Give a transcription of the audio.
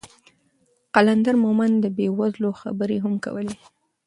قلندر مومند د بې وزلو خبرې هم کولې.